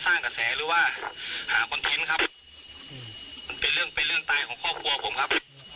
เรื่องที่เขาจะมาสร้างกระแสหรือว่าหาคอนเทนต์ครับเป็นเรื่อง